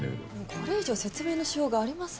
これ以上説明のしようがありません。